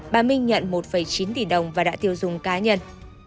bà minh nhận một chín tỷ đồng và đã tiêu dùng cá nhân